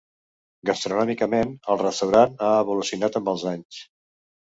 Gastronòmicament, el restaurant ha evolucionat amb els anys.